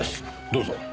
どうぞ。